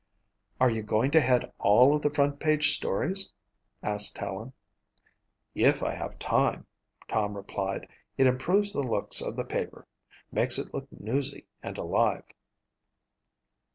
"Are you going to head all of the front page stories?" asked Helen. "If I have time," Tom replied. "It improves the looks of the paper; makes it look newsy and alive."